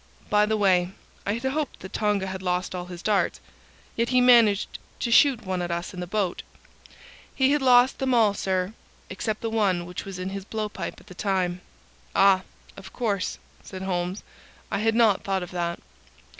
By the way, I had hoped that Tonga had lost all his darts; yet he managed to shoot one at us in the boat." "He had lost them all, sir, except the one which was in his blow pipe at the time." "Ah, of course," said Holmes. "I had not thought of that."